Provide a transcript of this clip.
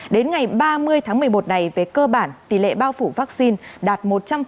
đến ngày ba mươi tháng một mươi một này về cơ bản tỷ lệ bao phủ vaccine đạt một trăm linh